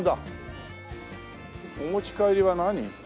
お持ち帰りは何？